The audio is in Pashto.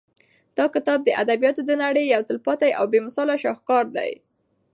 دا کتاب د ادبیاتو د نړۍ یو تلپاتې او بې مثاله شاهکار دی.